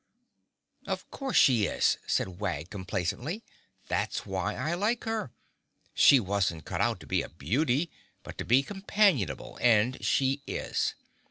"Of course she is," said Wag complacently. "That's why I like her. She wasn't cut out to be a beauty, but to be companionable, and she is.